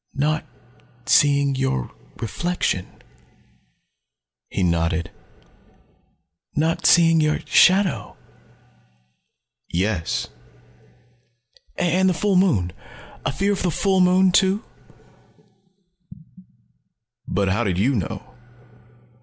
"Not not seeing your reflection!" He nodded. "Not seeing your shadow !" "Yes." "And the full moon. A fear of the full moon, too?" "But how did you know?"